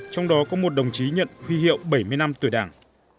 trong đó có một đồng chí nhận huy hiệu bảy mươi năm tuổi đảng